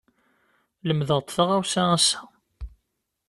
Lemdeɣ-d taɣawsa ass-a.